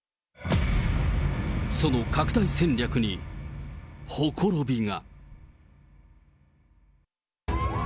その拡大戦略に、ほころびが。